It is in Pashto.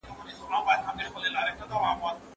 موږ د خپلو هنرمندانو په استعداد باوري یو.